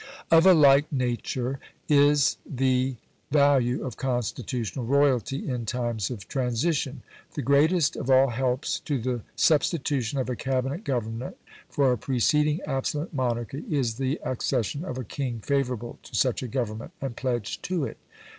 Of a like nature is the value of constitutional royalty in times of transition. The greatest of all helps to the substitution of a Cabinet government for a preceding absolute monarchy is the accession of a king favourable to such a government, and pledged to it.